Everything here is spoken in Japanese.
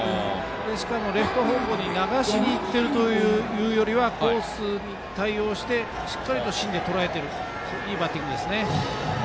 レフト方向に流しにいってるというよりはコースに対応してしっかりと芯でとらえているいいバッティングですね。